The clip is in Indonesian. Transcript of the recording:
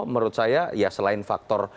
menurut saya ya selain faktor